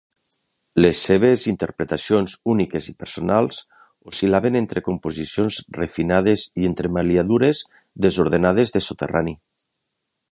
Les seves interpretacions úniques i personals oscil·laven entre composicions refinades i entremaliadures desordenades de soterrani.